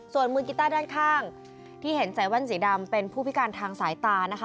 ส่วนมือกีต้าด้านข้างที่เห็นใส่แว่นสีดำเป็นผู้พิการทางสายตานะคะ